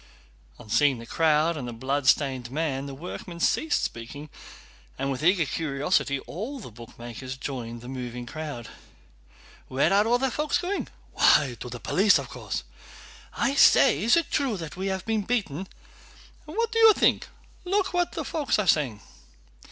On seeing the crowd and the bloodstained man the workman ceased speaking, and with eager curiosity all the bootmakers joined the moving crowd. "Where are all the folks going?" "Why, to the police, of course!" "I say, is it true that we have been beaten?" "And what did you think? Look what folks are saying."